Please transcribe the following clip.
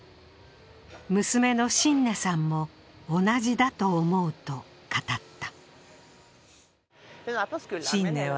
娘のシンネさんも同じだと思うと語った。